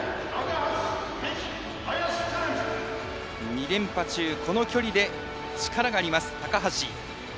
２連覇中、この距離で力があります、高橋。